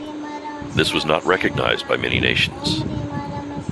This was not recognized by many nations.